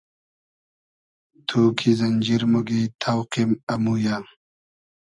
تو کی زئنجیر موگی تۆقیم امویۂ